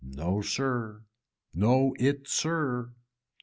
No sir. No it sir.